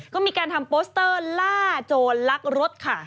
ก็มีการทำโปสเตอร์ล่าโจรลักรถค่ะ